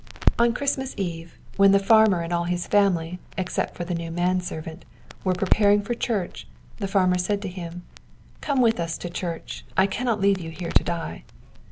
On Christmas Eve, when the farmer and all his family, except the new man servant, were preparing for church, the farmer said to him, "Come with us to church; I cannot leave you here to die."